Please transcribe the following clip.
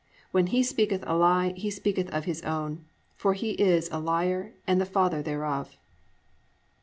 When he speaketh a lie, he speaketh of his own: for he is a liar, and the father thereof."